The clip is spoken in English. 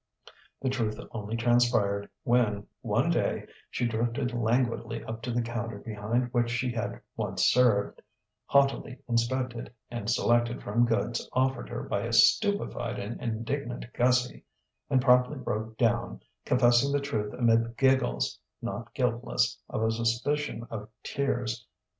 The truth only transpired when, one day, she drifted languidly up to the counter behind which she had once served, haughtily inspected and selected from goods offered her by a stupefied and indignant Gussie, and promptly broke down, confessing the truth amid giggles not guiltless of a suspicion of tears.